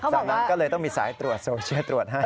จากนั้นก็เลยต้องมีสายตรวจโซเชียลตรวจให้